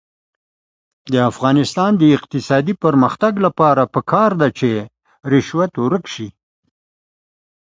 د افغانستان د اقتصادي پرمختګ لپاره پکار ده چې رشوت ورک شي.